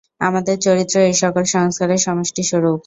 আমাদের চরিত্র এই-সকল সংস্কারের সমষ্টিস্বরূপ।